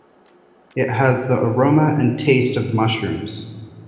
It has the aroma and taste of mushrooms.